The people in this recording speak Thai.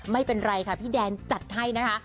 ไม่เป็นไรค่ะพี่แดนจัดให้นะคะ